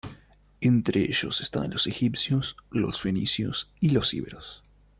Entre ellos estaban los egipcios, los fenicios y los íberos.